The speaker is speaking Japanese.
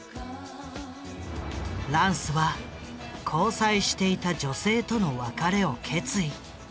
ランスは交際していた女性との別れを決意。